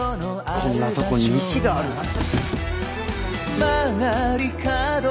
こんなとこに石があるなんて。